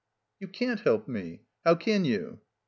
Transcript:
"You can't help me. How can you?"